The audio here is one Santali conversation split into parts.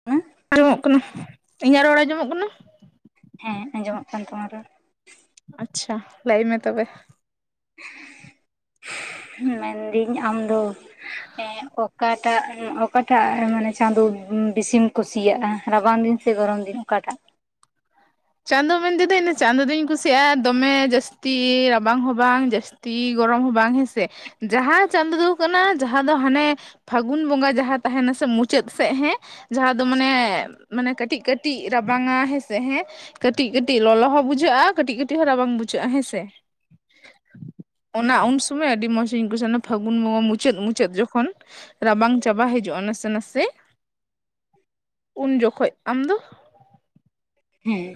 [unintelligible] ᱟᱸᱡᱚᱢᱚᱜ ᱠᱟᱱᱟ ᱤᱧᱟᱹᱜ ᱨᱚᱲ ᱟᱸᱡᱚᱢᱚᱜ ᱠᱟᱱᱟ ᱦᱮᱸ ᱟᱸᱡᱚᱢᱚᱜ ᱠᱟᱱ ᱛᱟᱢᱟ ᱨᱚᱲ ᱟᱪᱪᱷᱟ ᱞᱟᱹᱭ ᱢᱮ ᱛᱚᱵᱮ ᱢᱮᱱᱫᱤᱧ ᱟᱢ ᱫᱚ ᱮ ᱚᱠᱟ ᱚᱠᱟᱴᱟᱜ ᱚᱠᱟᱴᱟᱜ ᱢᱟᱱᱮ ᱪᱟᱸᱫᱚ ᱵᱤᱥᱤᱢ ᱠᱩᱥᱤᱭᱟᱜᱼᱟ ᱨᱟᱵᱟᱝ ᱫᱤᱱ ᱥᱮ ᱜᱚᱨᱚᱢ ᱫᱤᱱ ᱚᱠᱟᱴᱟᱜ ᱪᱟᱸᱫᱚ ᱢᱮᱱᱛᱮᱫᱚ ᱤᱧ ᱪᱟᱸᱫᱚ ᱫᱚᱧ ᱠᱩᱥᱤᱭᱟᱜᱼᱟ ᱫᱚᱢᱮ ᱡᱟᱹᱥᱛᱤ ᱨᱟᱵᱟᱝ ᱦᱚᱸ ᱵᱟᱝ ᱡᱟᱹᱥᱛᱤ ᱛᱤ ᱜᱚᱨᱚᱢ ᱦᱚᱸ ᱵᱟᱝ ᱦᱮᱸᱥᱮ ᱡᱟᱦᱟᱸ ᱪᱟᱸᱫᱚᱳ ᱫᱚ ᱠᱟᱱᱟ ᱡᱟᱦᱟᱸ ᱫᱚ ᱦᱟᱱᱮ ᱯᱷᱟᱹᱜᱩᱱ ᱵᱚᱸᱜᱟ ᱡᱟᱦᱟᱸ ᱛᱟᱦᱮᱱᱟ ᱥᱮ ᱢᱩᱪᱟᱹᱫ ᱥᱜ ᱦᱮᱸ ᱡᱟᱦᱟᱸ ᱫᱚ ᱢᱟᱱᱮ ᱢᱟᱱᱮ ᱠᱟᱹᱴᱤᱡ ᱠᱟᱹᱴᱤᱡ ᱨᱟᱵᱟᱝᱟ ᱦᱮᱸᱥᱮ ᱦᱮᱸ ᱠᱟᱹᱴᱤᱡ ᱠᱟᱹᱴᱤᱡ ᱞᱚᱞᱚ ᱦᱚᱸ ᱵᱩᱡᱷᱟᱹᱜᱼᱟ ᱠᱟᱹᱴᱤᱡ ᱠᱟᱹᱴᱤᱡ ᱨᱟᱵᱟᱝ ᱵᱩᱡᱷᱟᱹᱜᱼᱟ ᱦᱮᱸ ᱥᱮ [inaudible] ᱚᱱᱟ ᱩᱱ ᱥᱚᱢᱚᱭ ᱟᱹᱰᱤ ᱢᱚᱡᱤᱧ ᱵᱩᱡᱟ ᱚᱱᱮ ᱯᱷᱟᱹᱜᱩᱱ ᱵᱚᱸᱜᱟ ᱢᱩᱪᱟᱹᱫ ᱢᱩᱪᱟᱹᱫ ᱡᱚᱠᱷᱚᱱ᱾ ᱨᱟᱵᱟᱝ ᱪᱟᱵᱟ ᱦᱤᱡᱩᱜᱼᱟ ᱱᱟᱥᱮ ᱱᱟᱥᱮ ᱩᱱ ᱡᱚᱠᱷᱚᱡ ᱟᱢ ᱫᱚ? ᱦᱮᱸ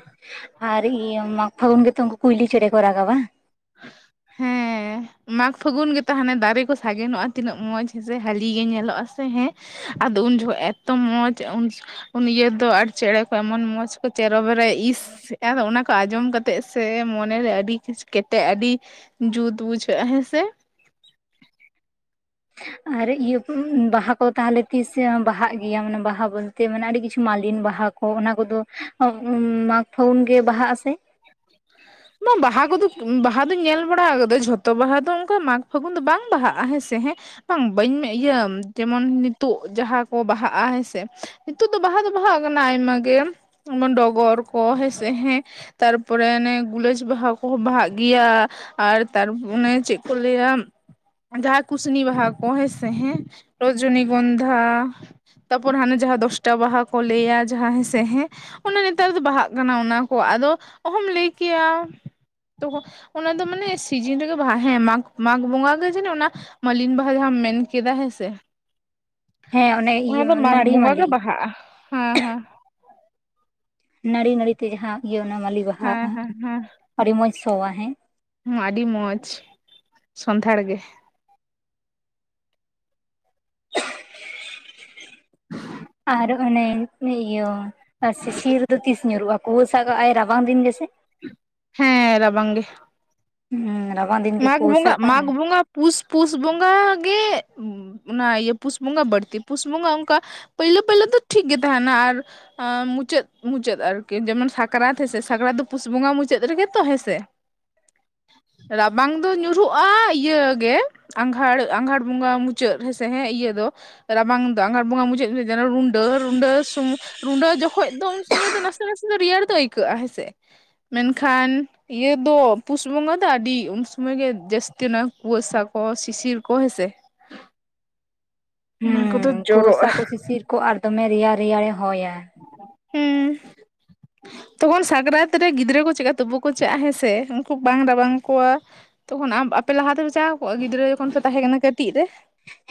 ᱟᱨ ᱤᱭᱟᱹ ᱢᱟᱜᱽ ᱯᱷᱟᱹᱜᱩᱱ ᱜᱮᱛᱚ ᱩᱱᱠᱩ ᱠᱩᱭᱞᱤ ᱪᱮᱸᱬᱮ ᱠᱚ ᱨᱟᱜᱟ ᱵᱟᱝ? [inaudible] ᱦᱮ ᱢᱟᱜᱽ ᱯᱷᱟᱹᱜᱩᱱ ᱜᱮ ᱛᱟᱦᱮᱟᱱᱮ ᱫᱟᱨᱮ ᱠᱚ ᱥᱟᱜᱮᱱᱚᱜᱼᱟ ᱛᱤᱱᱟᱹᱜ ᱢᱚᱸᱡᱽ ᱦᱮᱸ ᱥᱮ ᱦᱟᱹᱞᱤ ᱜᱮ ᱧᱮᱞᱚᱜᱼᱟ ᱥᱮ ᱦᱮᱸ, ᱟᱫᱚ ᱩᱱ ᱡᱚᱦᱠᱷᱚᱡ ᱮᱛᱚ ᱢᱚᱡᱽ ᱩᱱ ᱩᱱ ᱤᱭᱟᱹ ᱫᱚ ᱟᱨ ᱪᱮᱸᱬᱮ ᱠᱚ ᱮᱢᱚᱱ ᱢᱚᱡᱽ ᱠᱚ ᱪᱮᱨᱚᱵᱮᱨᱚ ᱤᱥ, ᱟᱫᱚ ᱚᱱᱟ ᱠᱚ ᱟᱸᱡᱚᱢ ᱠᱟᱛᱮᱜ ᱥᱮ ᱢᱚᱱᱮᱨᱮ ᱟᱹᱰᱤ ᱠᱤᱪᱩ ᱠᱮᱴᱮᱜ ᱟᱹᱰᱤ ᱡᱩᱛ ᱵᱩᱡᱷᱟᱹᱜᱼᱟ ᱦᱮᱸᱥᱮ᱾ ᱟᱨ ᱤᱭᱟᱹ ᱵᱟᱦᱟ ᱠᱚ ᱛᱟᱦᱚᱞᱮ ᱛᱤᱥ ᱵᱟᱦᱟᱜ ᱜᱮᱭᱟ ᱢᱟᱱᱮ ᱵᱟᱦᱟ ᱵᱚᱞᱛᱮ ᱢᱟᱱᱮ ᱟᱹᱰᱤ ᱠᱤᱪᱷᱩ ᱢᱟᱞᱤᱱ ᱵᱟᱦᱟ᱾ ᱠᱚ ᱚᱱᱟ ᱠᱚᱫᱚ ᱢᱟᱜᱽ ᱯᱷᱟᱜᱩᱱ ᱜᱮ ᱵᱟᱦᱟᱜ ᱟᱥᱮ? [inaudible] ᱵᱟᱝ ᱵᱟᱦᱟ ᱠᱚᱫᱚ ᱫᱩᱧ ᱵᱟᱦᱟ ᱫᱚᱧ ᱧᱮᱞ ᱵᱟᱲᱟ ᱠᱟᱫᱟ ᱡᱷᱚᱛᱚ ᱵᱟᱦᱟ ᱫᱚ ᱚᱱᱠᱟ ᱢᱟᱜᱽ ᱯᱷᱟᱹᱜᱩᱱ ᱫᱚ ᱵᱟᱝ ᱵᱟᱦᱟᱜᱼᱟ ᱦᱮᱸᱥᱮ ᱦᱮᱸ, ᱵᱟᱝ ᱵᱟᱹᱧ ᱤᱭᱟᱹ ᱡᱮᱢᱚᱱ ᱱᱤᱛᱳᱜ ᱡᱟᱦᱟᱸ ᱠᱚ ᱵᱟᱦᱟᱜᱼᱟ ᱦᱮᱸᱥᱮ, ᱱᱤᱛᱚᱜ ᱫᱚ ᱵᱟᱦᱟ ᱫᱚ ᱵᱟᱦᱟᱜ ᱠᱟᱱᱟ ᱟᱭᱢᱟ ᱜᱮ ᱡᱮᱢᱚᱱ ᱰᱚᱜᱚᱨ ᱠᱚ ᱦᱮᱸᱥᱮ ᱦᱮᱸ ᱛᱟᱨ ᱛᱟᱯᱚᱨᱮ ᱚᱱᱮ ᱜᱩᱞᱟᱹᱡᱽ ᱵᱟᱦᱟ ᱠᱚᱦᱚᱸ ᱵᱟᱦᱟᱜ ᱜᱮᱭᱟ ᱟᱨ ᱛᱟᱨ ᱚᱱᱮ ᱪᱮᱫ ᱠᱚ ᱞᱟᱹᱭᱟ? ᱡᱟᱦᱟᱸ ᱠᱩᱥᱱᱤ ᱵᱟᱦᱟ ᱠᱚ ᱦᱮᱸᱥᱮ ᱦᱮᱸ ᱨᱚᱡᱚᱱᱤ ᱜᱚᱱᱫᱷᱟ, ᱛᱟᱯᱚᱨ ᱦᱟᱱᱮ ᱡᱟᱦᱟᱸ ᱫᱚᱥᱴᱟ ᱵᱟᱦᱟ ᱠᱚ ᱞᱟᱹᱭᱟ ᱡᱟᱦᱟᱸ ᱦᱮᱥᱮ ᱦᱮᱸ, ᱚᱱᱮ ᱱᱮᱛᱟᱨ ᱫᱚ ᱵᱟᱦᱟᱜ ᱠᱟᱱᱟ ᱚᱱᱟ ᱠᱚ ᱟᱫᱚ ᱚᱦᱚᱢ ᱞᱟᱹᱭ ᱠᱮᱭᱟ᱾ ᱛᱚ ᱚᱱᱟ ᱫᱚ ᱢᱟᱱᱮ ᱥᱤᱡᱤᱱ ᱨᱮᱜᱮ ᱵᱟᱦᱟ ᱦᱮᱸ ᱢᱟᱜᱽ ᱢᱟᱜᱽ ᱵᱚᱸᱜᱟ ᱜᱮ ᱡᱮᱱᱚ ᱚᱱᱟ, ᱢᱟᱞᱤᱱ ᱵᱟᱦᱟ ᱡᱟᱦᱟᱢ ᱢᱮᱱ ᱠᱮᱫᱟ ᱦᱮᱸ ᱥᱮ᱾ ᱦᱮᱸ ᱚᱱᱮ ᱚᱱᱟ ᱤᱭᱟᱹ ᱫᱚ ᱢᱟᱜᱽ ᱱᱟᱹᱲᱤ ᱵᱚᱸᱜᱟ ᱜᱮ ᱢᱟᱹᱞᱤ ᱵᱟᱦᱟᱜᱼᱟ ᱦᱮᱸ ᱦᱮᱸ᱾ ᱱᱟᱹᱲᱤ ᱱᱟᱹᱲᱤ ᱛᱮ ᱡᱟᱦᱟᱸ ᱤᱭᱟᱹ ᱚᱱᱟ ᱢᱟᱹᱞᱤ ᱵᱟᱦᱟ ᱦᱮᱸ ᱦᱮᱸ ᱟᱹᱰᱤ ᱢᱚᱸᱡᱽ ᱥᱚᱣᱟ, ᱦᱮᱸ᱾ ᱦᱚᱸ ᱟᱹᱰᱤ ᱢᱚᱡᱽ ᱥᱚᱱᱫᱷᱟᱲ ᱜᱮ᱾ ᱟᱨ ᱚᱱᱮ ᱤᱭᱟᱹ ᱥᱤᱥᱤᱨ ᱫᱚ ᱛᱤᱥ ᱧᱩᱨᱩᱜᱼᱟ ᱠᱩᱣᱟᱹᱥᱟ ᱠᱟᱜᱼᱟᱭ ᱨᱟᱵᱟᱝ ᱫᱤᱱ ᱜᱮᱥᱮ? ᱦᱮᱸ ᱨᱟᱵᱟᱝ ᱜᱮ᱾ ᱦᱩᱸ ᱨᱟᱵᱟᱝ ᱫᱤᱱ ᱜᱮ ᱢᱟᱜᱽ ᱠᱩᱣᱟᱹᱥᱟ ᱵᱚᱸᱜᱟ ᱢᱟᱜᱽ ᱠᱟᱜᱼᱟᱭ ᱵᱚᱸᱜᱟ ᱯᱩᱥ ᱯᱩᱥ ᱵᱚᱸᱜᱟ ᱜᱮ ᱚᱱᱟ ᱤᱭᱟᱹ ᱯᱩᱥ ᱵᱚᱸᱜᱟ ᱵᱟᱹᱲᱛᱤ ᱯᱩᱥ ᱵᱚᱸᱜᱟ ᱚᱱᱠᱟ ᱯᱟᱹᱭᱞᱳ ᱯᱟᱹᱭᱞᱟᱹ ᱫᱚ ᱴᱷᱤᱠ ᱜᱮ ᱛᱟᱸᱦᱮᱱᱟ ᱟᱨ ᱢᱩᱪᱟᱹᱫ ᱢᱩᱪᱟᱹᱫ ᱟᱨᱠᱤ ᱡᱮᱢᱚᱱ ᱥᱟᱠᱨᱟᱛ ᱦᱮᱸ ᱥᱮ ᱥᱟᱠᱨᱟᱛ ᱫᱚ ᱯᱩᱥ ᱵᱚᱸᱜᱟ ᱢᱩᱪᱟᱹᱫ ᱨᱮᱜᱮ ᱛᱚ ᱦᱮᱸ ᱥᱮ ᱨᱟᱵᱟᱝ ᱫᱚ ᱧᱩᱨᱦᱩᱜᱼᱟ ᱤᱭᱟᱹ ᱜᱮ ᱟᱸᱜᱷᱟᱲ ᱟᱸᱜᱷᱟᱲ ᱵᱚᱸᱜᱟ ᱢᱩᱪᱟᱹᱫ ᱦᱮᱸᱥᱮ ᱦᱮᱸ ᱤᱭᱟᱹ ᱫᱚ, ᱨᱟᱵᱟᱝ ᱫᱚ ᱟᱜᱷᱟᱲ ᱵᱚᱸᱜᱟ ᱢᱩᱪᱟᱹᱫ ᱡᱮᱱᱚ ᱨᱩᱱᱰᱟᱹ ᱨᱩᱱᱰᱟᱹ ᱥᱩ, ᱨᱩᱰᱟᱹ ᱡᱚᱠᱷᱚᱡ ᱫᱚ ᱩᱱ ᱥᱚᱢᱚᱭ ᱫᱚ ᱱᱟᱥᱮ ᱱᱟᱥᱮ ᱫᱚ ᱨᱮᱭᱟᱲ ᱫᱚ ᱟᱹᱭᱠᱟᱹᱜᱼᱟ ᱦᱮᱸᱥᱮ, ᱢᱮᱱᱠᱷᱟᱱ ᱤᱭᱟᱹ ᱫᱚ ᱯᱩᱥ ᱵᱚᱸᱜᱟ ᱫᱚ ᱟᱹᱰᱤ, ᱩᱱ ᱥᱚᱢᱚᱭ ᱜᱮ ᱡᱟᱹᱥᱛᱤ ᱚᱱᱟ ᱠᱩᱣᱟᱥᱟ ᱠᱚ ᱥᱤᱥᱤᱨ ᱠᱚ ᱦᱮᱸᱥᱮ᱾ ᱚᱱᱟ ᱠᱚᱫᱚ ᱦᱩᱸ ᱚᱱᱠᱩᱣᱟᱹᱥᱟ ᱡᱚᱨᱚᱜᱼᱟ ᱠᱚ ᱥᱤᱥᱤᱨ ᱠᱚ ᱟᱨ ᱫᱚᱢᱮ ᱨᱮᱭᱟᱲ ᱨᱮᱭᱟᱲᱮ ᱦᱚᱭᱟ᱾ [inaudible] ᱦᱩᱸ ᱛᱚᱠᱷᱚᱱ ᱥᱟᱠᱨᱟᱛ ᱨᱮ ᱜᱤᱫᱽᱨᱟᱹ ᱠᱚ ᱪᱮᱠᱠᱟ ᱛᱩᱯᱩ ᱠᱚ ᱪᱟᱜᱼᱟ ᱦᱮᱸᱥᱮ ᱩᱱᱠᱩ ᱵᱟᱝ ᱨᱟᱵᱟᱝ ᱠᱚᱣᱟ᱾ ᱛᱚᱠᱷᱚᱱ ᱟᱢ ᱟᱯᱮ ᱞᱟᱦᱟ ᱛᱮᱯᱮ ᱪᱟᱣ ᱟᱠᱚ ᱜᱤᱫᱽᱨᱟᱹ ᱡᱚᱠᱷᱚᱱ ᱯᱮ ᱛᱟᱦᱮᱸ ᱠᱟᱱᱟ ᱠᱟᱹᱴᱤᱡ ᱨᱮ?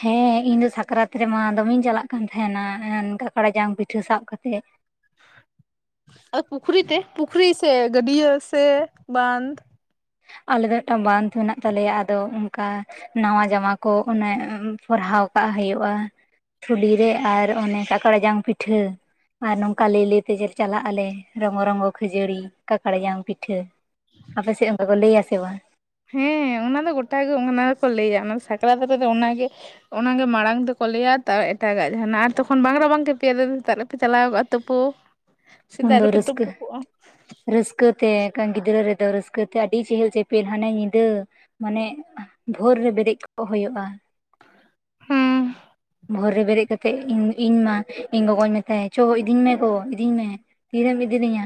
ᱦᱮᱸ ᱤᱧ ᱫᱚ ᱥᱟᱠᱨᱟᱛ ᱨᱮᱢᱟ ᱫᱚᱢᱮᱧ ᱪᱟᱞᱟᱜ ᱠᱟᱱ ᱛᱟᱦᱮᱸᱱᱟ ᱠᱟᱠᱲᱟ ᱡᱟᱝ ᱯᱤᱴᱷᱟᱹ ᱥᱟᱵ ᱠᱟᱛᱮᱜ᱾ ᱯᱩᱠᱷᱨᱤ ᱛᱮ ᱯᱩᱠᱷᱨᱤ ᱥᱮ ᱜᱟᱹᱰᱤᱭᱟᱹ ᱥᱮ ᱵᱟᱸᱫ ᱟᱞᱮ ᱫᱚ ᱢᱤᱫᱴᱟᱝ ᱵᱟᱸᱫ ᱢᱮᱱᱟᱜ ᱛᱟᱞᱮᱭᱟ ᱟᱫᱚ ᱚᱱᱠᱟ ᱱᱟᱣᱟ ᱡᱟᱢᱟ ᱠᱚ ᱚᱱᱮ ᱯᱚᱨᱦᱟᱣ ᱠᱟᱜ ᱦᱩᱭᱩᱜᱼᱟ ᱛᱷᱩᱞᱤ ᱨᱮ ᱟᱨ ᱚᱱᱮ ᱠᱟᱠᱲᱟ ᱡᱟᱝ ᱯᱤᱴᱷᱟᱹ ᱟᱨ ᱱᱚᱝᱠᱟ ᱞᱟᱹᱭ ᱞᱟᱹᱭ ᱛᱮ ᱪᱟᱞᱟᱜ ᱟᱞᱮ ᱨᱚᱝᱜᱚ ᱨᱚᱝᱜᱚ ᱠᱷᱟᱹᱡᱟᱹᱲᱤ ᱠᱟᱠᱟᱲ ᱡᱟᱝ ᱯᱤᱴᱷᱟᱹ ᱟᱯᱮ ᱥᱮᱫ ᱚᱱᱠᱟ ᱠᱚ ᱞᱟᱹᱭ ᱟᱥᱮ ᱵᱟᱝ? ᱦᱮᱸ ᱚᱱᱟ ᱫᱚ ᱜᱚᱴᱟ ᱜᱮ ᱚᱱᱟ ᱫᱚᱠᱚ ᱞᱟᱹᱭᱟ ᱚᱱᱟ ᱫᱚ ᱥᱟᱠᱨᱟᱛ ᱨᱮᱫᱚ ᱚᱱᱟᱜᱮ ᱚᱱᱟᱜᱮ ᱢᱟᱲᱟᱝ ᱫᱚᱠᱚ ᱞᱟᱹᱭᱟ ᱛᱟ ᱮᱴᱟᱜᱟᱜ ᱡᱟᱸᱦᱟᱱᱟᱜ ᱟᱨ ᱛᱚᱠᱷᱚᱱ ᱵᱟᱝ ᱨᱟᱵᱟᱝ ᱠᱮᱯᱮᱭᱟ ᱟᱫᱚ ᱥᱮᱛᱟᱜ ᱨᱮᱯᱮ ᱪᱟᱞᱟᱣ ᱠᱚᱜᱼᱟ ᱛᱳᱯᱳ ᱩᱱ ᱫᱚ ᱨᱟᱹᱥᱠᱟᱹ ᱨᱟᱹᱥᱠᱟᱹ ᱛᱮ ᱠᱷᱟᱱ ᱜᱤᱫᱽᱨᱟᱹ ᱨᱮᱫᱚ ᱨᱟᱹᱥᱠᱟᱹ ᱛᱮ ᱟᱹᱰᱤ ᱪᱮᱦᱮᱞ ᱪᱮᱯᱮᱞ ᱦᱟᱱᱮ ᱧᱤᱫᱟᱹ ᱢᱟᱱᱮ ᱵᱷᱳᱨ ᱨᱮ ᱵᱮᱨᱮᱫ ᱠᱚᱜ ᱦᱩᱭᱩᱜᱼᱟ ᱦᱩᱸ ᱵᱷᱳᱨ ᱨᱮ ᱵᱮᱨᱮᱫ ᱠᱟᱛᱮᱫ ᱤᱧ ᱤᱧ ᱢᱟ ᱤᱧ ᱜᱚᱜᱚᱧ ᱢᱮᱛᱟᱭᱟ ᱪᱚ ᱤᱫᱤᱧ ᱢᱮ ᱜᱚ ᱤᱫᱤᱧ ᱢᱮ ᱛᱤᱨᱮᱢ ᱤᱫᱤ ᱞᱤᱧᱟ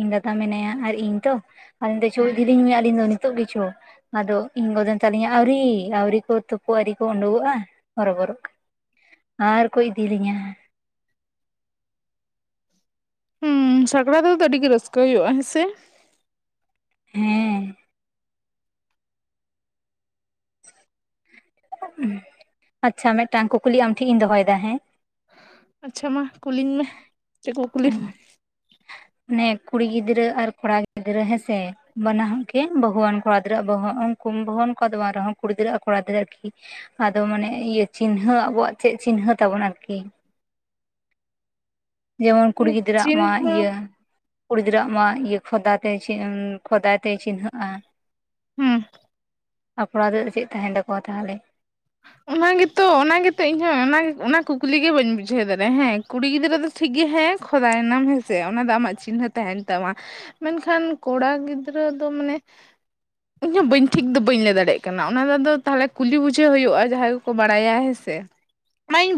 ᱤᱧ ᱫᱟᱫᱟ ᱢᱮᱱᱟᱭᱟ ᱟᱨ ᱤᱧ ᱛᱚ ᱟᱹᱞᱤᱧ ᱫᱚ ᱪᱚ ᱤᱫᱤ ᱞᱤᱧ ᱢᱮ ᱟᱹᱞᱤᱧ ᱫᱚ ᱱᱤᱛᱚᱜ ᱜᱤ ᱪᱚ ᱟᱫᱚ ᱤᱧ ᱜᱚ ᱢᱮᱛᱟ ᱞᱤᱧᱟ ᱟᱣᱨᱤ ᱟᱣᱨᱤ ᱠᱚ ᱛᱩᱯᱩ ᱟᱹᱣᱨᱤ ᱠᱚ ᱩᱰᱩᱠᱚᱜᱼᱟ ᱦᱚᱨᱚ ᱵᱚᱨᱚᱜ ᱟᱨ ᱠᱚ ᱤᱫᱤ ᱞᱤᱧᱟ ᱦᱩᱸ ᱥᱟᱸᱠᱨᱟᱛ ᱨᱮᱫᱚ ᱟᱹᱰᱤ ᱜᱮ ᱨᱟᱹᱥᱠᱟᱹ ᱦᱩᱭᱩᱜᱼᱟ ᱦᱮᱸ ᱥᱮ ᱦᱮᱸ ᱟᱪᱪᱷᱟ ᱢᱤᱫᱴᱟᱝ ᱠᱩᱠᱞᱤ ᱟᱢ ᱴᱷᱮᱡ ᱤᱧ ᱫᱚᱦᱚᱭ ᱫᱟ ᱦᱮᱸ ᱟᱪᱪᱷᱟ ᱢᱟ ᱠᱩᱞᱤᱧ ᱢᱮ ᱪᱮᱫ ᱠᱩᱠᱞᱤ ᱢᱟᱱᱮ ᱠᱩᱲᱤ ᱜᱤᱫᱽᱨᱟᱹ ᱟᱨ ᱠᱚᱲᱟ ᱜᱤᱫᱽᱨᱟᱹ ᱦᱮᱸ ᱥᱮ ᱵᱟᱱᱟ ᱦᱚᱲ ᱜᱮ ᱵᱟᱹᱦᱩᱣᱟᱱ ᱠᱚᱲᱟ ᱜᱤᱫᱽᱨᱟᱹ ᱟᱜ ᱵᱚᱦᱚᱜ ᱠᱩᱢ ᱵᱚᱦᱚᱱ ᱠᱚ ᱫᱚ ᱵᱟᱝ ᱨᱮᱦᱚᱸ ᱠᱩᱲᱤ ᱜᱤᱫᱽᱨᱟᱹ ᱠᱚᱲᱟ ᱜᱤᱫᱽᱨᱟᱹ ᱮᱠᱤ ᱟᱫᱚ ᱢᱟᱱᱮ ᱤᱭᱟᱹ ᱪᱤᱱᱦᱟᱹ ᱟᱵᱚᱣᱟᱜ ᱪᱮᱫ ᱪᱤᱱᱦᱟᱹ ᱛᱟᱵᱚᱱ ᱟᱨᱠᱤ ᱡᱮᱢᱚᱱ ᱠᱩᱲᱤ ᱜᱤᱫᱽᱨᱟᱹ ᱟᱜ ᱢᱟ ᱪᱤᱱᱦᱟᱹ ᱤᱭᱟᱹ ᱠᱩᱲᱤ ᱜᱤᱫᱽᱨᱟᱹ ᱟᱜ ᱢᱟ ᱤᱭᱟᱹ ᱠᱷᱚᱫᱟ ᱛᱮ ᱪᱮ ᱠᱷᱚᱫᱟ ᱛᱮ ᱪᱤᱱᱦᱟᱹᱜ - ᱟ ᱦᱩ ᱟᱯᱲᱟ ᱨᱮ ᱪᱮᱫ ᱛᱟᱸᱦᱮᱱ ᱛᱟᱠᱚᱣᱟ ᱛᱟᱦᱚᱞᱮ ᱚᱱᱟ ᱜᱮᱛᱚ ᱚᱱᱟ ᱜᱮᱛᱚ ᱤᱧ ᱦᱚᱸ ᱚᱱᱟ ᱠᱩᱠᱞᱤ ᱜᱮ ᱵᱟᱹᱧ ᱵᱩᱡᱷᱟᱹᱣ ᱫᱟᱲᱮᱜ ᱦᱮᱸ ᱠᱩᱲᱤ ᱜᱤᱫᱽᱨᱟᱹ ᱫᱚ ᱴᱷᱤᱠ ᱜᱮ ᱦᱮᱸ ᱠᱷᱚᱫᱟᱭ ᱱᱟᱢ ᱦᱮᱸ ᱥᱮ ᱚᱱᱟ ᱫᱚ ᱟᱢᱟᱜ ᱪᱤᱱᱦᱟᱹ ᱛᱟᱸᱦᱮᱱ ᱛᱟᱢᱟ ᱢᱮᱱ ᱠᱷᱟᱱ ᱠᱚᱲᱟ ᱜᱤᱫᱽᱨᱟᱹ ᱫᱚ ᱢᱟᱱᱮ ᱤᱧ ᱦᱚᱸ ᱵᱟᱹᱧ ᱴᱷᱤᱠ ᱫᱚ ᱵᱟᱹᱧ ᱞᱟᱹᱭ ᱫᱟᱲᱮᱭᱟᱜ ᱠᱟᱱᱟ ᱚᱱᱟ ᱫᱚ ᱛᱟᱦᱚᱞᱮ ᱠᱩᱞᱤ ᱵᱩᱡᱷᱟᱹᱣ ᱦᱩᱭᱩᱜᱼᱟ ᱡᱟᱦᱟᱸᱭ ᱠᱚᱠᱚ ᱵᱟᱲᱟᱭᱟ ᱦᱮᱸ ᱥᱮ ᱚᱱᱟᱧ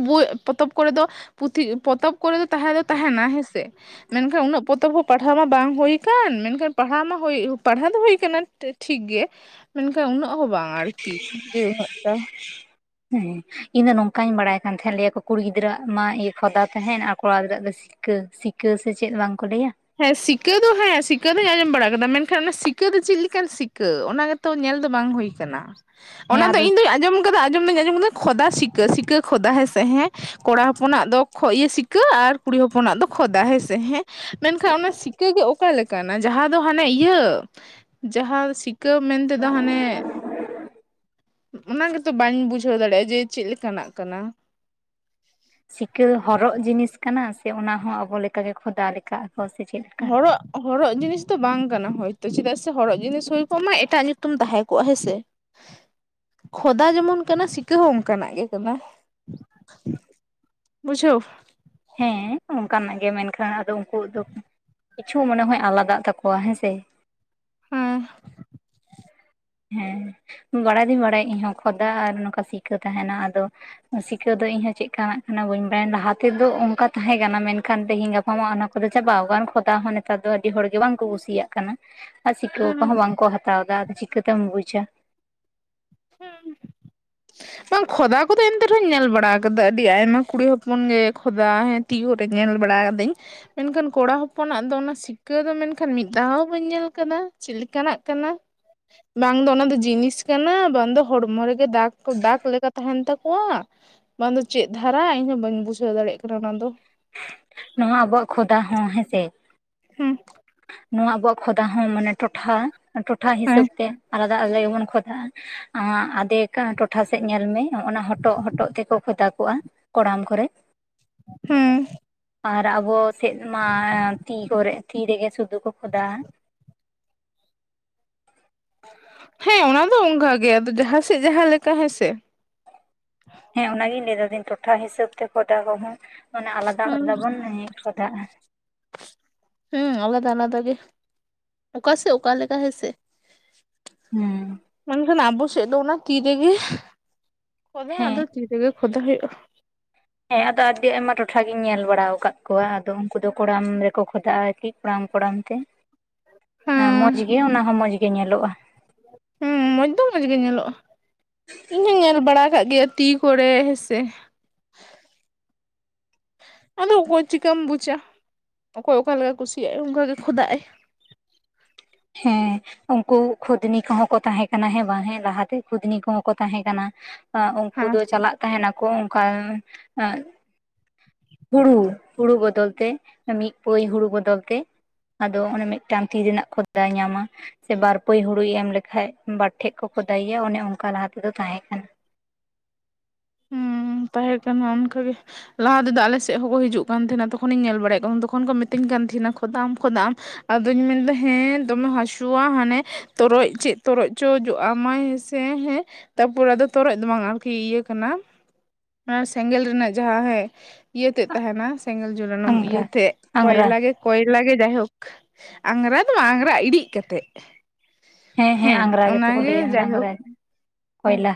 ᱯᱚᱛᱚᱵ ᱠᱚᱨᱮ ᱫᱚ ᱯᱩᱛᱷᱤ ᱯᱚᱛᱚᱵ ᱠᱚᱨᱮ ᱫᱚ ᱛᱟᱦᱮᱸ ᱫᱚ ᱛᱟᱸᱦᱮᱱᱟ ᱦᱮᱸ ᱥᱮ ᱢᱮᱱ ᱠᱷᱟᱱ ᱩᱱᱟᱹᱜ ᱯᱚᱛᱚᱵ ᱦᱚᱸ ᱯᱟᱲᱦᱟᱣ ᱢᱟ ᱵᱟᱝ ᱦᱩᱭ ᱠᱟᱱ ᱢᱮᱱᱠᱷᱟᱱ ᱯᱟᱲᱦᱟᱣ ᱢᱟ ᱦᱩᱭ ᱯᱟᱲᱦᱟᱣ ᱫᱚ ᱦᱩᱭ ᱠᱟᱱᱟ ᱴᱷᱤᱠ ᱜᱮ ᱢᱮᱱ ᱠᱷᱟᱱ ᱩᱱᱟᱹᱜ ᱦᱚᱸ ᱵᱟᱝ ᱟᱨᱠᱤ ᱡᱮ ᱩᱱᱟᱹᱜ ᱴᱟ ᱦᱮᱸ ᱤᱧ ᱫᱚ ᱱᱚᱝᱠᱟᱧ ᱵᱟᱲᱟᱭ ᱠᱟᱱ ᱛᱟᱦᱮᱸᱫ ᱞᱟᱹᱭᱟᱠᱚ ᱠᱩᱲᱤ ᱜᱤᱫᱽᱨᱟᱹᱣᱟᱜ ᱢᱟ ᱤᱭᱟᱹ ᱠᱷᱚᱫᱟ ᱛᱟᱦᱮᱸᱱ ᱟᱨ ᱠᱚᱲᱟ ᱜᱤᱫᱽᱨᱟᱹᱣᱟᱜ ᱫᱚ ᱥᱤ ᱥᱤᱠᱟᱹ ᱥᱤᱠᱟᱹ ᱥᱮ ᱪᱮᱫ ᱵᱟᱝᱠᱚ ᱞᱟᱹᱭᱟ᱾ ᱦᱮᱸ ᱥᱤᱠᱟᱹ ᱫᱚ ᱦᱮᱸ ᱥᱤᱠᱟᱹ ᱫᱚᱧ ᱟᱸᱡᱚᱢ ᱵᱟᱲᱟ ᱠᱟᱫᱟ ᱢᱮᱱᱠᱷᱟᱱ ᱚᱱᱟ ᱥᱤᱠᱟᱹ ᱫᱚ ᱪᱮᱫ ᱞᱮᱠᱟᱱ ᱥᱤᱠᱟᱹ ᱚᱱᱟ ᱜᱮ ᱛᱚ ᱧᱮᱞ ᱫᱚ ᱵᱟᱝ ᱦᱩᱭᱠᱟᱱᱟ ᱦᱮᱸ ᱚᱱᱟ ᱫᱚ ᱟᱫᱚ ᱤᱧ ᱫᱚᱧ ᱟᱸᱡᱚᱢ ᱟᱸᱡᱚᱢ ᱫᱚᱧ ᱟᱸᱡᱚᱢ ᱠᱮᱫᱟ ᱠᱷᱚᱫᱟ ᱥᱤᱠᱟᱹ ᱥᱤᱠᱟᱹ ᱠᱷᱚᱫᱟ ᱦᱮᱸ ᱥᱮ ᱦᱮᱸ ᱠᱚᱲᱟ ᱦᱚᱯᱚᱱᱟᱜ ᱫᱚ ᱥᱤᱠᱟᱹ ᱥᱤᱠᱟᱹ ᱟᱨ ᱠᱩᱲᱤ ᱦᱚᱯᱚᱱᱟᱜ ᱫᱚ ᱠᱷᱚᱫᱟ ᱦᱮᱸ ᱥᱮ ᱦᱮᱸ ᱢᱮᱱ ᱠᱷᱟᱱ ᱚᱱᱟ ᱥᱤᱠᱟᱹ ᱜᱮ ᱚᱠᱟ ᱞᱮᱠᱟᱱᱟ ᱡᱟᱦᱟᱸ ᱫᱚ ᱦᱟᱱᱮ ᱤᱭᱟᱹ ᱡᱟᱦᱟᱸ ᱥᱤ ᱥᱤᱠᱟ. ᱢᱮᱱ ᱛᱮᱫᱚ ᱦᱟᱱᱮ ᱚᱱᱟ ᱜᱮᱛᱚ ᱵᱟᱹᱧ ᱵᱩᱡᱷᱟᱹᱣ ᱫᱟᱲᱮᱭᱟᱜᱼᱟ ᱡᱮ ᱪᱮᱫ ᱞᱮᱠᱟᱱᱟᱜ ᱠᱟᱱᱟ ᱥᱤᱠᱟᱹ ᱦᱚᱨᱚᱜ ᱡᱤᱱᱤᱥ ᱠᱟᱱᱟ ᱥᱮ ᱚᱱᱟ ᱦᱚᱸ ᱟᱵᱚ ᱞᱮᱠᱟ ᱜᱮ ᱠᱷᱚᱫᱟ ᱞᱮᱠᱟᱜᱼᱟ [inaudible] ᱥᱮ ᱪᱮᱫ ᱞᱮᱠᱟ? ᱦᱚᱲᱚᱜ ᱦᱚᱨᱚᱜ ᱡᱤᱱᱤᱥ ᱫᱚ ᱵᱟᱝ ᱠᱟᱱᱟ ᱦᱚᱭᱛᱚ ᱪᱮᱫᱟᱜ ᱥᱮ ᱦᱚᱨᱚᱜ ᱡᱤᱱᱤᱥ ᱦᱳᱭ ᱠᱚᱜ ᱢᱟ ᱮᱴᱟᱜ ᱧᱩᱛᱩᱢ ᱛᱟᱦᱮᱸ ᱠᱚᱜᱼᱟ ᱦᱮᱸ ᱥᱮ ᱠᱷᱚᱫᱟ ᱡᱮᱢᱚᱱ ᱠᱟᱱᱟ ᱥᱤᱠᱟᱹ ᱦᱚᱸ ᱚᱱᱠᱟᱱᱟᱜ ᱜᱮ ᱠᱟᱱᱟ ᱵᱩᱡᱷᱟᱹᱣ ᱦᱮᱸ ᱚᱝᱠᱟᱱᱟᱜ ᱜᱮ ᱢᱮᱱᱠᱷᱟᱱ ᱟᱫᱚ ᱩᱱᱠᱩ ᱫᱚ ᱠᱤᱪᱷᱩ ᱢᱚᱱᱮ ᱦᱚᱭ ᱟᱞᱟᱫᱟᱜ ᱛᱟᱠᱚᱣᱟ ᱦᱮᱸᱥᱮ᱾ ᱦᱮᱸ ᱦᱮᱸ ᱵᱟᱲᱟᱭ ᱫᱚᱧ ᱵᱟᱲᱟᱭᱟ ᱤᱧᱦᱚᱸ ᱠᱷᱚᱫᱟ ᱟᱨ ᱱᱚᱝᱠᱟ ᱥᱤᱠᱟᱹ ᱛᱟᱦᱮᱱᱟ ᱟᱫᱚ ᱥᱤᱠᱷᱟᱹ ᱫᱚ ᱤᱧᱦᱚᱸ ᱪᱮᱜᱠᱟᱱᱟᱜ ᱠᱟᱱᱟ ᱵᱟᱹᱧ ᱵᱟᱲᱟᱭᱟ ᱞᱟᱦᱟ ᱛᱮᱫᱚ ᱚᱝᱠᱟ ᱛᱟᱦᱮᱸ ᱠᱟᱱᱟ ᱢᱮᱱᱠᱷᱟᱱ ᱛᱮᱦᱤᱧ ᱜᱟ ᱢᱟᱢᱟ ᱚᱱᱟ ᱠᱚᱫᱚ ᱪᱟᱵᱟᱟᱣ ᱠᱟᱱ ᱠᱷᱚᱫᱟ ᱦᱚᱸ ᱱᱮᱛᱟᱨ ᱫᱚ ᱟᱹᱰᱤ ᱦᱚᱲ ᱜᱮ ᱵᱟᱝᱠᱚ ᱠᱩᱥᱤᱭᱟᱜ ᱠᱟᱱᱟ᱾ ᱟᱨ ᱥᱤᱠᱟᱹᱣ ᱦᱩᱸ ᱠᱚᱦᱚᱸ ᱵᱟᱝᱠᱚ ᱦᱟᱛᱟᱣ ᱫᱟ ᱟᱫᱚ ᱪᱤᱠᱟᱹᱛᱮᱢ ᱵᱩᱪᱟ ᱵᱟᱝ ᱠᱷᱚᱫᱟ ᱠᱚᱫᱚ ᱮᱱᱛᱮ ᱨᱮᱦᱚᱸᱧ ᱧᱮᱞ ᱵᱟᱲᱟ ᱟᱠᱟᱫᱟ ᱟᱹᱰᱤ ᱟᱭᱢᱟ ᱠᱩᱲᱤ ᱦᱚᱯᱚᱱ ᱜᱮ ᱠᱷᱚᱫᱟ ᱦᱮᱸ ᱛᱤᱭᱳ ᱨᱮ ᱧᱮᱞ ᱵᱟᱲᱟ ᱟᱹᱫᱟᱹᱧ ᱢᱮᱱᱠᱷᱟᱱ ᱠᱚᱲᱟ ᱦᱚᱯᱚᱱᱟᱜ ᱫᱚ ᱚᱱᱟ ᱥᱤᱠᱷᱠᱟᱹ ᱫᱚ ᱢᱮᱱᱠᱷᱟᱱ ᱢᱤᱫ ᱫᱷᱟᱣ ᱦᱚᱸ ᱵᱟᱹᱧ ᱧᱮᱞ ᱠᱟᱫᱟ ᱪᱮᱫ ᱞᱮᱠᱟᱱᱟᱜ ᱠᱟᱱᱟ ᱵᱟᱝ ᱫᱚ ᱚᱱᱟ ᱫᱚ ᱡᱤᱱᱤᱥ ᱠᱟᱱᱟ ᱵᱟᱝ ᱫᱚ ᱦᱚᱲᱢᱚ ᱨᱮᱜᱮ ᱫᱟᱜᱽ ᱠᱚ ᱫᱟᱜᱽ ᱞᱮᱠᱟ ᱛᱟᱦᱮᱱ ᱛᱟᱠᱚᱣᱟ ᱵᱟᱝ ᱫᱚ ᱪᱮᱫ ᱫᱷᱟᱨᱟ ᱤᱧ ᱦᱚᱸ ᱵᱟᱹᱧ ᱵᱩᱡᱷᱟᱹᱣ ᱫᱟᱲᱮᱭᱟᱜ ᱠᱟᱱᱟ ᱚᱱᱟ ᱫᱚ ᱱᱚᱣᱟ ᱟᱵᱚᱣᱟᱜ ᱠᱷᱚᱫᱟ ᱦᱚᱸ ᱦᱮᱸᱥᱮ ᱦᱩ ᱱᱚᱣᱟ ᱟᱵᱚᱣᱟᱜ ᱠᱷᱚᱫᱟ ᱦᱚᱸ ᱢᱟᱱᱮ ᱴᱚᱴᱷᱟ, ᱴᱚᱴᱷᱟ ᱦᱮᱸ ᱦᱤᱥᱟᱹᱵ ᱛᱮ ᱟᱞᱟ [unintelligible] ᱠᱷᱚᱫᱟᱜᱼᱟ ᱟᱫᱮᱠᱟ ᱴᱚᱴᱷᱟ ᱥᱮᱫ ᱧᱮᱞ ᱢᱮ᱾ ᱚᱱᱟ ᱦᱚᱴᱚᱜ ᱦᱚᱴᱚᱜ ᱛᱮᱠᱚ ᱠᱷᱚᱫᱟ ᱠᱚᱜᱼᱟ ᱠᱚᱲᱟᱢ ᱠᱚᱨᱮ᱾ ᱦᱩ ᱟᱨ ᱟᱵᱚ ᱥᱮᱫ ᱢᱟ ᱛᱤ ᱠᱚᱨᱮ ᱛᱤ ᱨᱮᱜᱮ ᱥᱩᱫᱩ ᱠᱚ ᱠᱷᱚᱫᱟᱜᱼᱟ᱾ ᱦᱮᱸ ᱚᱱᱟ ᱫᱚ ᱚᱝᱠᱟ ᱜᱮ ᱟᱫᱚ ᱡᱟᱦᱟᱸ ᱥᱮᱜ ᱡᱟᱦᱟᱸ ᱞᱮᱠᱟ ᱦᱮᱸᱥᱮ᱾ ᱦᱮᱸ ᱚᱱᱟᱜᱤᱧ ᱞᱟᱹᱭᱟᱫᱟ ᱫᱟᱹᱧ ᱴᱚᱴᱷᱟ ᱦᱤᱥᱟᱹᱵ ᱛᱮ ᱠᱷᱚᱫᱟ ᱠᱚᱦᱚᱸ ᱟᱞᱟᱫᱟ ᱟᱞᱟᱫᱟ ᱵᱚᱱ ᱮᱸ ᱠᱷᱚᱫᱟᱜᱼᱟ᱾ ᱦᱮᱸ ᱟᱞᱟᱫᱟ ᱟᱞᱟᱫᱟ ᱜᱮ ᱚᱠᱟ ᱥᱮᱜ ᱚᱠᱟ ᱞᱮᱠᱟ ᱦᱮᱸᱥᱮ ᱦᱮᱸ ᱢᱮᱱᱠᱷᱟᱱ ᱟᱵᱚ ᱥᱮᱜ ᱫᱚ ᱚᱱᱟ ᱛᱤ ᱨᱮᱜᱮ ᱠᱷᱚᱫᱟ ᱦᱮᱸ ᱟᱫᱚ ᱛᱤ ᱨᱮᱜᱮ ᱠᱷᱚᱫᱟ ᱦᱩᱭᱩᱜᱼᱟ ᱦᱮᱸ ᱟᱫᱚ ᱟᱹᱰᱤ ᱟᱭᱢᱟ ᱴᱚᱴᱷᱟ ᱜᱤᱧ ᱧᱮᱞ ᱵᱟᱲᱟ ᱟᱠᱟᱫ ᱠᱚᱣᱟ ᱟᱫᱚ ᱩᱱᱠᱩ ᱫᱚ ᱠᱚᱲᱟᱢ ᱨᱮᱠᱚ ᱠᱷᱚᱫᱟᱜᱼᱟ ᱟᱨᱠᱤ ᱠᱚᱲᱟᱢ ᱠᱚᱲᱟᱢ ᱛᱮ ᱦᱮᱸ ᱢᱚᱡᱽ ᱜᱮ ᱚᱱᱟ ᱦᱚᱸ ᱢᱚᱡᱽ ᱜᱮ ᱧᱮᱞᱚᱜᱼᱟ ᱦᱩᱸ ᱢᱚᱡᱽ ᱫᱚ ᱢᱚᱸᱡᱽ ᱜᱮ ᱧᱮᱞᱚᱜᱼᱟ ᱤᱧ ᱦᱚᱸᱧ ᱧᱮᱞ ᱵᱟᱲᱟ ᱠᱟᱜ ᱜᱮᱭᱟ ᱛᱤ ᱠᱚᱨᱮ ᱦᱮᱸ ᱥᱮ ᱟᱫᱚ ᱚᱠᱚᱭ ᱪᱤᱠᱟᱹᱢ ᱵᱩᱡᱟ ᱚᱠᱚᱭ ᱚᱠᱟᱞᱮᱠᱟ ᱠᱩᱥᱤᱭᱟᱜᱟᱭ ᱚᱝᱠᱟᱜᱮ ᱠᱷᱚᱫᱟᱜ ᱟᱭ ᱦᱮᱸ ᱩᱝᱠᱩ ᱠᱷᱩᱫᱽᱱᱤ ᱠᱚᱦᱚᱸ ᱠᱚ ᱛᱟᱦᱮᱸ ᱠᱟᱱᱟ ᱦᱮᱸ ᱵᱟᱝ ᱦᱮᱸ ᱞᱟᱦᱟᱛᱮ ᱠᱷᱩᱫᱽᱱᱤ ᱠᱚᱦᱚᱸ ᱠᱚ ᱛᱟᱦᱮᱸ ᱠᱟᱱᱟ ᱮᱜ ᱩᱱᱠᱩ ᱦᱮᱸ ᱫᱚ ᱪᱟᱞᱟᱜ ᱛᱟᱦᱮᱱᱟᱠᱚ ᱚᱱᱠᱟ ᱮᱸᱜ ᱦᱩᱲᱩ ᱦᱩᱲᱩ ᱵᱚᱫᱚᱞ ᱛᱮ ᱢᱤᱫ ᱯᱟᱹᱭ ᱦᱩᱲᱩ ᱵᱚᱫᱚᱞ ᱛᱮ ᱟᱫᱚ ᱚᱱᱮ ᱢᱤᱫᱴᱟᱝ ᱛᱤ ᱨᱮᱱᱟᱜ ᱠᱷᱚᱫᱟᱭ ᱧᱟᱢᱟ ᱥᱮ ᱵᱟᱨ ᱯᱟᱹᱭ ᱦᱩᱲᱩᱭ ᱮᱢ ᱞᱮᱠᱷᱟᱡ ᱵᱟᱨ ᱴᱷᱮᱡ ᱠᱚ ᱠᱷᱚᱫᱟᱭᱮᱭᱟ ᱚᱱᱮ ᱚᱱᱠᱟ ᱞᱟᱦᱟᱮᱫᱚ ᱛᱟᱦᱮᱸ ᱠᱟᱱᱟ ᱦᱩᱸ ᱛᱟᱦᱮᱸ ᱠᱟᱱᱟ ᱚᱱᱠᱟᱜᱮ ᱞᱟᱦᱟ ᱛᱮᱫᱚ ᱟᱞᱮ ᱥᱮᱜ ᱦᱚᱸᱠᱚ ᱦᱤᱡᱩᱜ ᱠᱟᱱ ᱛᱟᱦᱮᱱᱟ ᱛᱚᱠᱷᱚᱱᱤᱧ ᱧᱮᱞ ᱵᱟᱲᱟᱭᱮᱫ ᱠᱟᱱ ᱛᱟᱦᱮ ᱛᱚᱠᱷᱚᱱ ᱠᱚ ᱢᱤᱛᱟᱹᱧ ᱠᱟᱱ ᱛᱟᱦᱮᱱᱟ ᱠᱷᱚᱫᱟᱜ ᱟᱢ ᱠᱷᱚᱫᱟᱜ ᱟᱢ ᱟᱫᱚᱧ ᱢᱮᱱᱫᱟ ᱦᱮᱸ ᱫᱚᱢᱮ ᱦᱟᱹᱥᱩᱣᱟ ᱦᱟᱱᱮ ᱛᱚᱨᱚᱡ ᱪᱮᱜ ᱛᱚᱨᱚᱡ ᱪᱚ ᱡᱚᱜ ᱟᱢᱟᱭ ᱦᱮᱥᱮ ᱦᱮᱸ ᱦᱮᱸ ᱛᱟᱯᱚᱨ ᱟᱫᱚ ᱛᱚᱨᱚᱡ ᱫᱚ ᱵᱟᱝ ᱟᱨᱠᱤ ᱤᱭᱟᱹ ᱠᱟᱱᱟ ᱚᱱᱟ ᱥᱮᱸᱜᱮᱞ ᱨᱮᱱᱟᱜ ᱡᱟᱦᱟᱸ ᱦᱮ ᱤᱭᱟᱹ ᱛᱮᱫ ᱛᱟᱦᱮᱱᱟ ᱥᱮᱜᱮᱞ ᱡᱚᱞᱟᱱᱚᱱ ᱤᱭᱟᱹ ᱟᱝᱜᱽᱨᱟ ᱛᱮᱜ ᱟᱝᱜᱽᱨᱟ ᱠᱚᱭᱞᱟ ᱜᱮ ᱠᱚᱭᱞᱟ ᱜᱮ ᱡᱟᱭᱦᱳᱠ ᱟᱝᱨᱟ ᱫᱚ ᱵᱟᱝ ᱟᱝᱨᱟ ᱤᱲᱤᱜ ᱠᱟᱛᱮᱜ ᱦᱮᱸ ᱦᱮᱸ ᱟᱝᱨᱟ ᱜᱮᱛᱚ ᱠᱚ ᱚᱱᱟᱜᱮ ᱞᱟᱹᱭᱟ ᱚᱱᱟᱫᱚ ᱡᱟᱭᱦᱳᱠ ᱟᱝᱨᱟ ᱦᱮᱸ ᱠᱚᱭᱞᱟ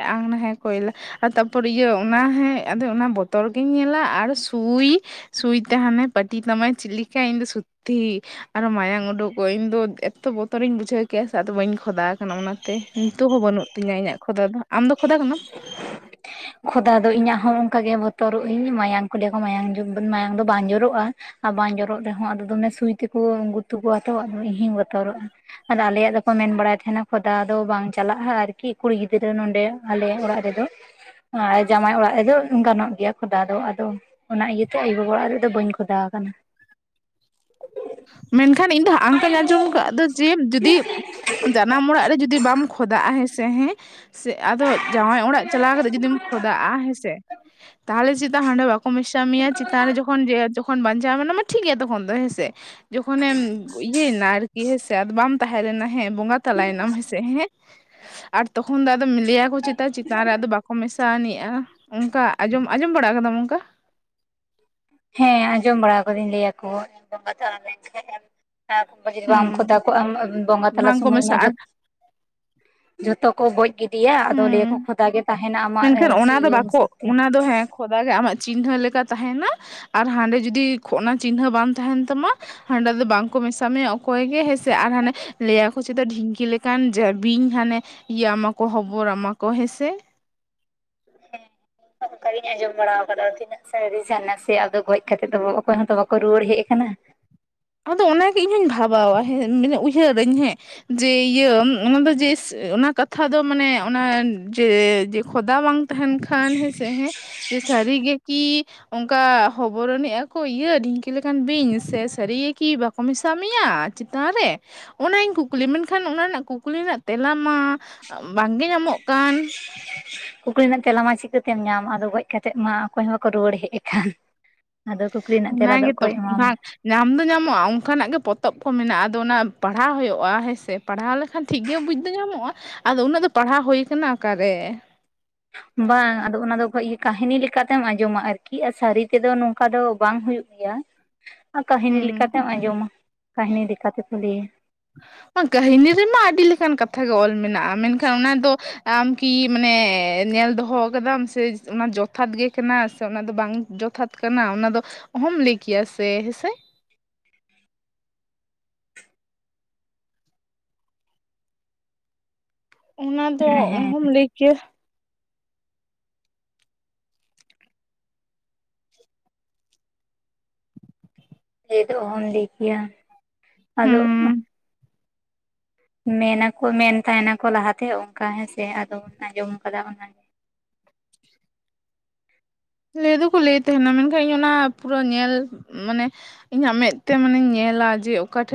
ᱟᱝ ᱱᱟ ᱦᱮ ᱠᱚᱭᱞᱟ ᱟ ᱛᱟᱯᱚᱨ ᱤᱭᱟᱹ ᱚᱱᱟ ᱦᱮᱸ ᱟᱫᱚ ᱚᱱᱟ ᱵᱚᱛᱚᱨ ᱜᱮᱤᱧ ᱧᱮᱞᱟ ᱟᱨ ᱥᱩᱭ ᱥᱩᱭᱛᱮ ᱦᱟᱱᱮ ᱯᱟᱹᱴᱤ ᱛᱟᱢᱟᱭ ᱪᱤᱞᱤᱠᱟ ᱤᱧ ᱫᱚ ᱥᱚᱛᱛᱤ ᱟᱨᱚ ᱢᱟᱭᱟᱝ ᱩᱰᱩᱠᱚᱜ ᱤᱧ ᱫᱚ ᱮᱛᱚ ᱵᱚᱛᱚᱨᱤᱧ ᱵᱩᱡᱷᱟᱹᱣ ᱠᱮᱥ ᱟᱫᱚ ᱵᱟᱹᱧ ᱠᱷᱚᱫᱟ ᱠᱟᱱᱟ ᱚᱱᱟᱛᱮ ᱱᱤᱛᱚᱜ ᱦᱚᱸ ᱵᱟᱹᱱᱩᱜ ᱛᱤᱧᱟᱹ ᱤᱧᱟᱹᱜ ᱠᱷᱚᱫᱟ ᱫᱚ ᱟᱢᱫᱚ ᱠᱷᱚᱫᱟ ᱠᱟᱱᱟᱢ [unintelligible] ᱠᱷᱚᱫᱟ ᱫᱚ ᱤᱧᱟᱹᱜ ᱦᱚᱸ ᱚᱱᱠᱟᱜᱮ ᱵᱚᱛᱚᱨᱚᱜ ᱟᱹᱧ ᱢᱟᱭᱟᱢ ᱠᱚ ᱞᱟᱹᱭ ᱠᱚ ᱢᱟᱭᱟᱝ ᱫᱚ ᱵᱟᱝ ᱡᱚᱨᱚᱜᱼᱟ ᱟᱨ ᱵᱟᱝ ᱡᱚᱨᱚᱜ ᱨᱮᱦᱚᱸ ᱟᱫᱚ ᱫᱚᱢᱮ ᱥᱩᱭ ᱛᱮᱠᱚ ᱜᱩᱛᱩ ᱠᱚᱣᱟ ᱛᱚ ᱟᱫᱚ ᱤᱧᱦᱚᱧ ᱵᱚᱛᱚᱨᱚᱜᱼᱟ ᱟᱫᱚ ᱟᱞᱮᱭᱟᱜ ᱫᱚᱠᱚ ᱢᱮᱱ ᱵᱟᱲᱟᱭ ᱛᱟᱦᱮᱸᱱᱟ ᱠᱷᱚᱫᱟ ᱫᱚ ᱵᱟᱝ ᱪᱟᱞᱟᱜᱼᱟ ᱟᱨᱠᱤ ᱠᱩᱲᱤ ᱜᱤᱫᱽᱨᱟᱹ ᱱᱚᱰᱮ ᱚᱸᱰᱮ ᱟᱞᱮ ᱚᱲᱟᱜ ᱨᱮᱫᱚ ᱟᱨ ᱡᱟᱢᱟᱭ ᱚᱲᱟᱜ ᱨᱮᱫᱚ ᱜᱟᱱᱚᱜ ᱜᱮᱭᱟ ᱠᱷᱚᱫᱟ ᱫᱚ ᱟᱫᱚ ᱚᱱᱟ ᱤᱭᱟᱹᱛᱮ ᱟᱭᱳ ᱵᱟᱵᱟ ᱚᱲᱟᱜ ᱨᱮ ᱫᱚ ᱵᱟᱹᱧ ᱠᱷᱚᱫᱟ ᱟᱠᱟᱱᱟ ᱢᱮᱱᱠᱷᱟᱱ ᱤᱧ ᱫᱚ ᱦᱟᱸᱜ ᱟᱝᱠᱟᱧ ᱟᱸᱡᱚᱢ ᱟᱠᱟᱫ ᱫᱚ ᱡᱮ ᱡᱩᱫᱤ ᱡᱟᱱᱟᱢ ᱚᱲᱟᱜ ᱨᱮ ᱡᱩᱫᱤ ᱵᱟᱢ ᱠᱷᱚᱫᱟᱜᱼᱟ ᱦᱮᱸ ᱥᱮ ᱦᱮᱸ ᱥᱮ ᱟᱫᱚ ᱡᱟᱶᱟᱭ ᱚᱲᱟᱜ ᱪᱟᱞᱟᱣ ᱠᱟᱛᱮ ᱡᱩᱫᱤᱢ ᱠᱷᱚᱫᱟᱜᱼᱟ ᱦᱮᱸᱥᱮ ᱛᱟᱦᱚᱞᱮ ᱪᱮᱛᱟ ᱦᱟᱸᱰᱮ ᱵᱟᱠᱚ ᱢᱮᱥᱟ ᱢᱮᱭᱟ ᱪᱮᱛᱟᱱ ᱨᱮ ᱡᱚᱠᱷᱚᱱ ᱾ ᱛᱚᱠᱷᱚᱱ ᱵᱟᱧᱪᱟᱣ ᱢᱮᱱᱟ ᱢᱟ ᱴᱷᱤᱠ ᱜᱮᱭᱟ ᱛᱚᱠᱷᱚᱱ ᱫᱚ ᱦᱮᱸᱥᱮ ᱡᱚᱠᱷᱮᱢ ᱤᱭᱟᱹᱭᱮᱱᱟ ᱟᱨᱠᱤ ᱦᱮᱸ ᱥᱮ ᱵᱟᱢ ᱾ ᱛᱟᱦᱮᱸ ᱞᱮᱱᱟ ᱦᱮᱸ ᱵᱚᱸᱜᱟ ᱛᱟᱞᱟᱭᱮᱱᱟᱢ ᱦᱮᱸᱥᱮ ᱦᱮᱸ ᱾ ᱟᱨ ᱛᱚᱠᱷᱚᱱ ᱫᱚ ᱟᱫᱚ ᱠᱚ ᱞᱟᱹᱭ ᱟ ᱠᱚ ᱪᱮᱛᱟ ᱪᱮᱛᱟᱱ ᱨᱮ ᱟᱫᱚ ᱵᱟᱠᱚ ᱢᱮᱥᱟ ᱥᱟᱦᱟᱱᱤᱡᱼᱟ ᱚᱱᱠᱟ ᱟᱸᱡᱚᱢ ᱟᱸᱡᱚᱢ ᱵᱟᱲᱟ ᱟᱠᱟᱫᱟᱢ ᱚᱱᱠᱟ ᱾ ᱦᱮᱸ ᱟᱸᱡᱚᱢ ᱵᱟᱲᱟ ᱠᱟᱫᱟᱹᱧ ᱞᱟᱹᱭ ᱟᱠᱚ ᱵᱚᱸᱜᱟ ᱛᱟᱞᱟ ᱞᱮᱱ ᱠᱷᱟᱱ ᱾ ᱦᱚᱸ ᱡᱩᱫᱤ ᱵᱟᱢ ᱦᱩᱸ ᱠᱷᱚᱫᱟ ᱠᱚᱜ ᱟᱢ ᱵᱚᱸᱜᱟ ᱛᱟᱞᱟ ᱵᱟᱝᱠᱚ ᱥᱚᱢᱚᱭ ᱢᱟ ᱡᱚᱛ ᱢᱮᱥᱟᱜᱼᱟ ᱡᱷᱚᱛᱚ ᱠᱚ ᱵᱚᱡ ᱜᱤᱰᱤᱭᱟ ᱟᱫᱚ ᱞᱟᱹᱭ ᱦᱩᱸ ᱠᱚ ᱠᱷᱚᱫᱟ ᱜᱮ ᱛᱟᱦᱮᱱᱟ ᱟᱢᱟᱜ ᱢᱮᱱᱠᱷᱟᱱ ᱪᱮᱫ ᱚᱱᱟ ᱫᱚ ᱤᱭᱟᱹ ᱵᱟᱠᱚ ᱦᱤᱥᱟᱹᱵᱽ ᱛᱮ ᱚᱱᱟ ᱫᱚ ᱦᱮᱸ ᱠᱷᱚᱫᱟ ᱜᱮ ᱟᱢᱟᱜ ᱪᱤᱱᱦᱟᱹ ᱞᱮᱠᱟ ᱛᱟᱦᱮᱱᱟ ᱟᱨ ᱦᱟᱸᱰᱮ ᱡᱩᱫᱤ ᱠᱷᱚᱜ ᱚᱱᱟ ᱪᱤᱱᱦᱟᱹ ᱵᱟᱝ ᱛᱟᱦᱮᱱ ᱛᱟᱢᱟ ᱦᱟᱸᱰᱮ ᱫᱚ ᱵᱟᱝᱠᱚ ᱢᱮᱥᱟᱜ ᱢᱮᱭᱟ ᱚᱠᱚᱭ ᱜᱮ ᱦᱮᱸᱥᱮ ᱟᱨ ᱦᱟᱱᱮ ᱞᱟᱹᱭᱟᱠᱚ ᱪᱮᱫᱚ ᱰᱷᱤᱝᱠᱤ ᱞᱮᱠᱟᱱ ᱵᱤᱧ ᱦᱟᱱᱮ ᱤᱭᱟᱹᱢᱟᱠᱚ ᱦᱚᱵᱚᱨ ᱟᱢᱟ ᱠᱚ ᱦᱮᱸᱥᱮ ᱦᱮᱸ ᱚᱱᱠᱟᱜᱤᱧ ᱟᱸᱡᱚᱢ ᱵᱟᱲᱟ ᱠᱟᱫᱟ ᱛᱤᱱᱟᱹᱜ ᱥᱟᱨᱤ ᱥᱮ ᱟᱫᱚ ᱜᱚᱡ ᱠᱟᱛᱮᱮᱫ ᱫᱚ ᱚᱠᱚᱭ ᱦᱚᱸᱛᱚ ᱵᱟᱠᱚ ᱨᱩᱣᱟᱹᱲ ᱦᱮᱡ ᱟᱠᱟᱱᱟ ᱾ ᱟᱫᱚ ᱚᱱᱟᱜᱮ ᱤᱧᱦᱚᱧ ᱵᱷᱟᱵᱟᱣᱟ ᱦᱮ ᱢᱟᱱᱮ ᱩᱭᱦᱟᱹᱨᱟᱹᱧ ᱦᱮᱸ ᱾ ᱡᱮ ᱤᱭᱟᱹ ᱚᱱᱟ ᱫᱚ ᱡᱮ ᱚᱱᱟ ᱠᱟᱛᱷᱟ ᱫᱚ ᱢᱟᱱᱮ ᱚᱱᱟ ᱡᱮ ᱠᱷᱚᱫᱟ ᱵᱟᱝ ᱛᱟᱦᱟᱱ ᱠᱷᱟᱱ ᱦᱮ ᱥᱮ ᱦᱮ ᱡᱮ ᱥᱟᱨᱤ ᱜᱮ ᱠᱤ ᱚᱱᱠᱟ ᱦᱚᱵᱚᱨᱚᱱᱤᱡ ᱟᱠᱚ ᱠᱚ ᱤᱭᱟᱹ ᱰᱷᱤᱝᱠᱤ ᱞᱮᱠᱟᱱ ᱵᱤᱧ ᱥᱮ ᱥᱟᱹᱨᱤ ᱠᱤ ᱵᱟᱠᱚ ᱢᱮᱥᱟ ᱢᱮᱭᱟ ᱪᱮᱛᱟᱱ ᱨᱮ ᱚᱱᱟᱧ ᱠᱩᱠᱞᱤ ᱢᱮᱱᱠᱷᱟᱱ ᱚᱱᱟ ᱨᱮᱱᱟᱜ ᱠᱩᱠᱞᱤ ᱨᱮᱱᱟᱜ ᱛᱮᱞᱟ ᱢᱟ ᱵᱟᱝᱜᱮ ᱧᱟᱢᱚᱜ ᱠᱟᱱ ᱾ ᱠᱩᱠᱞᱤ ᱨᱮᱱᱟᱜ ᱛᱮᱞᱟ ᱢᱟ ᱪᱤᱠᱟᱹᱛᱮᱢ ᱧᱟᱢ ᱟᱫᱚ ᱜᱚᱡ ᱠᱟᱛᱮ ᱢᱟ ᱚᱠᱚᱭ ᱦᱚᱸ ᱵᱟᱠᱚ ᱨᱩᱣᱟᱹᱲ ᱦᱮᱡ ᱟᱠᱟᱱ ᱾ ᱟᱫᱚ ᱠᱩᱠᱞᱤ ᱨᱮᱱᱟᱜ ᱛᱮᱞᱟ ᱚᱱᱟ ᱫᱚ ᱜᱮᱛᱚ ᱚᱠᱚᱭ ᱮᱢᱟᱢᱟ ᱵᱟᱝ ᱾ ᱧᱟᱢ ᱫᱚ ᱧᱟᱢᱚᱜᱼᱟ ᱚᱱᱠᱟᱱᱟᱜ ᱜᱮ ᱯᱚᱛᱚᱵ ᱠᱚ ᱢᱮᱱᱟᱜᱼᱟ ᱟᱫᱚ ᱚᱱᱟ ᱯᱟᱲᱦᱟᱣ ᱦᱩᱭᱩᱜᱼᱟ ᱦᱮᱸ ᱥᱮ ᱾ ᱯᱟᱲᱦᱟᱣ ᱞᱮᱠᱷᱟᱱ ᱴᱷᱤᱠ ᱜᱮ ᱵᱩᱡᱽ ᱫᱚ ᱧᱟᱢᱚᱜᱼᱟ ᱟᱫᱚ ᱩᱱᱟᱹᱜ ᱫᱚ ᱯᱟᱲᱦᱟᱣ ᱦᱩᱭ ᱟᱠᱟᱱᱟ ᱚᱠᱟᱨᱮ ᱾ ᱵᱟᱝ ᱟᱫᱚ ᱚᱱᱟᱫᱚ ᱠᱟᱹᱦᱱᱤ ᱞᱮᱠᱟᱛᱮᱢ ᱟᱸᱡᱚᱢᱟ ᱟᱨᱠᱤ ᱥᱟᱹᱨᱤ ᱛᱮᱫᱚ ᱱᱚᱝᱠᱟ ᱫᱚ ᱵᱟᱝ ᱦᱩᱭᱩᱜ ᱾ ᱞᱟ. ᱭᱟ ᱟᱨ ᱠᱟᱹᱦᱱᱤ ᱦᱩᱸ ᱞᱮᱠᱟᱛᱮᱢ ᱟᱸᱡᱚᱢᱟ ᱠᱟᱹᱦᱱᱤ ᱞᱮᱠᱟ ᱛᱮᱠᱚ ᱞᱟᱹᱭᱟ ᱠᱟᱹᱦᱤᱱᱤ ᱨᱮᱢᱟ ᱟᱹᱰᱤ ᱞᱮᱠᱟᱱ ᱠᱟᱛᱷᱟ ᱜᱮ ᱚᱞ ᱢᱮᱱᱟᱜᱼᱟ ᱢᱮᱱᱠᱷᱟᱱ ᱚᱱᱟ ᱫᱚ ᱟᱢ ᱠᱤ ᱢᱟᱱᱮ ᱧᱮᱞ ᱫᱚᱦᱚ ᱟᱠᱟᱫᱟᱢ ᱥᱮ ᱚᱱᱟ ᱡᱚᱛᱷᱟᱛ ᱜᱮ ᱠᱟᱱᱟ ᱥᱮ ᱚᱱᱟ ᱫᱚ ᱵᱟᱝ ᱡᱚᱛᱷᱟᱛ ᱠᱟᱱᱟ ᱚᱱᱟ ᱫᱚ ᱚᱦᱚᱢ ᱞᱟᱹᱭ ᱠᱮᱭᱟ ᱥᱮ ᱦᱮᱸᱥᱮ ᱚᱱᱟ ᱫᱚ ᱦᱮᱸ ᱦᱮᱸ ᱚᱦᱚᱢ ᱞᱟᱹᱭ ᱠᱮᱭᱟ ᱞᱟᱹᱭ ᱫᱚ ᱚᱦᱚᱧ ᱞᱟᱹᱭ ᱠᱮᱭᱟ ᱟᱫᱚ ᱾ ᱦᱩᱸ ᱢᱮᱱᱟᱠᱚ ᱢᱮᱱ ᱛᱟᱦᱮᱱᱟᱠᱚ ᱞᱟᱦᱟᱛᱮ ᱚᱱᱠᱟ ᱦᱮᱸᱥᱮ ᱟᱫ ᱚᱱᱟ ᱟᱸᱡᱚᱢ ᱟᱠᱟᱫᱟ ᱚᱱᱟ ᱞᱟᱹᱭ ᱫᱚᱠᱚ ᱞᱟᱹᱭ ᱮᱫ ᱛᱟᱦᱮᱱᱟ ᱢᱮᱱᱠᱷᱟᱱ ᱤᱧ ᱚᱱᱟ ᱯᱩᱨᱟᱹ ᱧᱮᱞ ᱢᱟᱱᱮ ᱤᱧᱟᱹᱜ ᱢᱮᱫᱛᱮ ᱢᱟᱱᱮᱧ ᱧᱮᱞᱟ ᱡᱮ ᱚᱠᱟ ᱴᱷᱮᱱ ᱾